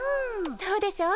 そうでしょう？